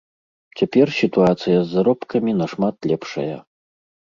Цяпер сітуацыя з заробкамі нашмат лепшая.